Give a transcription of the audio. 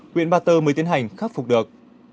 huyện ba tơ mới tiến hành khắc phục được